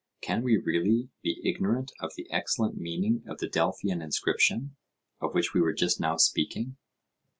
Can we really be ignorant of the excellent meaning of the Delphian inscription, of which we were just now speaking?